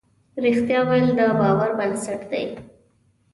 رښتیا ویل د باور بنسټ دی.